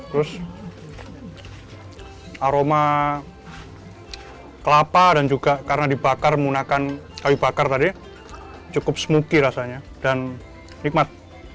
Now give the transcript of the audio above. terus aroma kelapa dan juga karena dibakar menggunakan kayu bakar tadi cukup smoothie rasanya dan nikmat